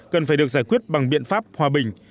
cần phải được giải quyết bằng biện pháp hòa bình